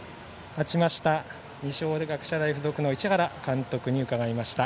勝ちました二松学舎大付属の市原監督に伺いました。